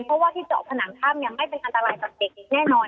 เพราะว่าที่เจาะผนังถ้ำไม่เป็นอันตรายกับเด็กอีกแน่นอน